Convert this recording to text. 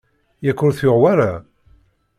Yak ur t-yuɣ wara?